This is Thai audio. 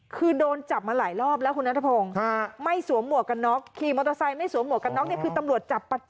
คือโดนจับมาหลายรอบแล้วคุณนัสทธวงศ์